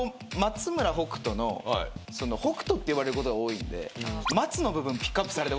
北斗って呼ばれることが多いんで松の部分ピックアップされた。